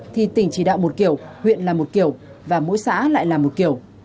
thì tỉnh chỉ đạo một kiểu huyện là một kiểu và mỗi xã lại là một kiểu